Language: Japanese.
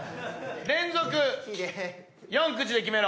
連続４口でキメろ！